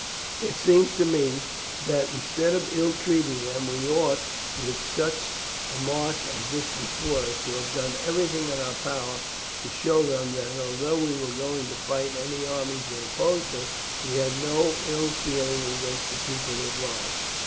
It seems to me that instead of ill treating them we ought, with such a march as this before us, to have done everything in our power to show them that, although we were going to fight any armies that opposed us, we had no ill feeling against the people at large.